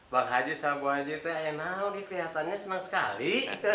bang haji sahabu haji teh enak kelihatannya senang sekali